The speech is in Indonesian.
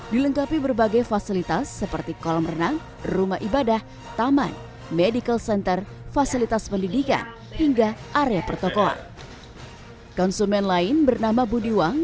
dilengkapi berbagai fasilitas seperti kolam renang rumah ibadah taman meja dan panggung